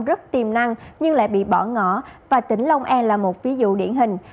rất tiềm năng nhưng lại bị bỏ ngỏ và tỉnh long an là một ví dụ điển hình